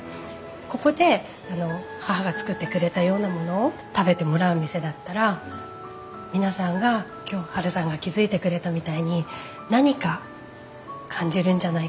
ここで母が作ってくれたようなものを食べてもらう店だったら皆さんが今日ハルさんが気付いてくれたみたいに何か感じるんじゃないかな